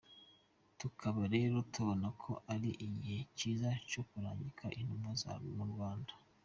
Tukaba rero tubona ko atari igihe ciza co kurungika intumwa mu Rwanda.